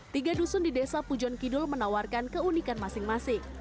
tiga dusun di desa pujon kidul menawarkan keunikan masing masing